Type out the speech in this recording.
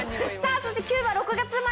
そして９位は６月生まれ。